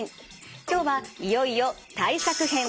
今日はいよいよ対策編。